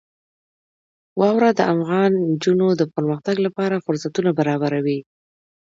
واوره د افغان نجونو د پرمختګ لپاره فرصتونه برابروي.